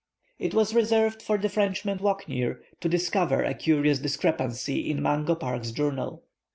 It was reserved for the Frenchman Walcknaer to discover a curious discrepancy in Mungo Park's journal.